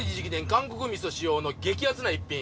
韓国みそ使用の激アツな一品」。